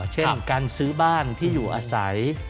เช่นการซื้อบ้านที่อยู่อาศัย